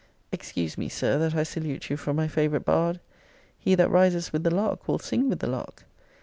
Excuse me, Sir, that I salute you from my favourite bard. He that rises with the lark will sing with the lark.